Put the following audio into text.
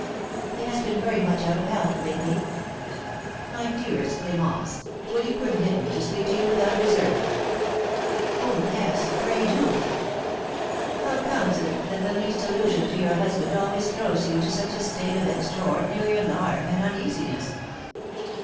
"He has been very much out of health lately." "My dearest Clémence, will you permit me to speak to you without reserve?" "Oh, yes, pray do!" "How comes it that the least allusion to your husband always throws you into such a state of extraordinary alarm and uneasiness?"